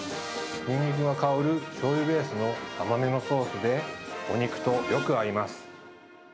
ニンニクが香るしょうゆベースの甘めのソースで、お肉とよく合います。